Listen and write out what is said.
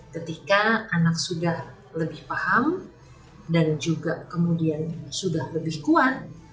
ketika anak sudah lebih paham dan juga kemudian sudah lebih kuat